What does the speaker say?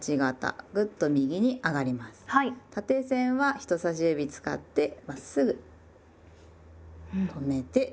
縦線は人さし指使ってまっすぐ止めて。